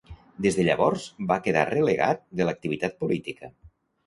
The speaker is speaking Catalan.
Des de llavors va quedar relegat de l'activitat política.